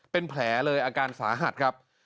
เป็นแผลเลยอาการสาหัสครับ